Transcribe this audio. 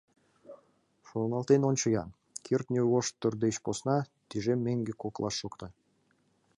Шоналтен ончо-ян: кӱртньӧ воштыр деч посна тӱжем меҥге коклаш шокта!..